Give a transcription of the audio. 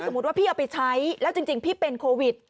ว่าพี่เอาไปใช้แล้วจริงพี่เป็นโควิด